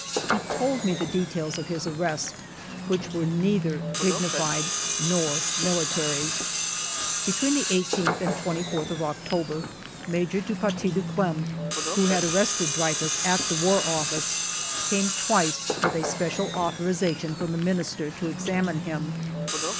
He told me the details of his arrest, which were neither dignified nor military. Between the i8th and the 24th of October, Major du Paty de Clam, who had arrested Dreyfus at the War Office, came twice with a special authorization from the Minister to examine him.